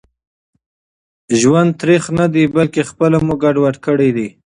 ژوند تريخ ندي بلکي خپله مو ګډوډ کړي دي